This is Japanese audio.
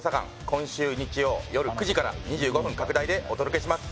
今週日曜よる９時から２５分拡大でお届けします